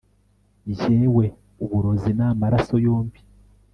Njyewe uburozi namaraso yombi